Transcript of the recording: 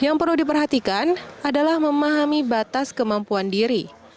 yang perlu diperhatikan adalah memahami batas kemampuan diri